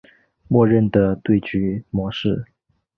默认的对局模式。